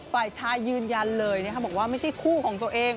ฝ่ายชายยืนยันเลยบอกว่าไม่ใช่คู่ของตัวเอง